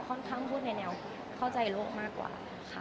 ค่อนข้างพูดในแนวเข้าใจโลกมากกว่าค่ะ